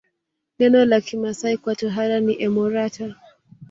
Neno la Kimasai kwa tohara ni emorata